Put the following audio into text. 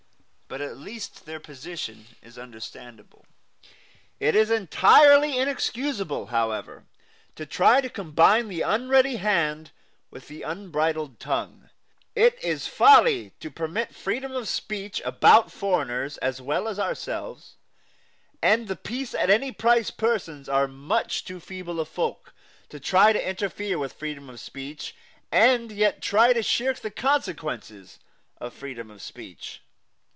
But at least their position is understandable. It is entirely inexcusable, however, to try to combine the unready hand with the unbridled tongue. It is folly to permit freedom of speech about foreigners as well as ourselves and the peace at any price persons are much too feeble a folk to try to interfere with freedom of speech and yet to try to shirk the consequences of freedom of speech.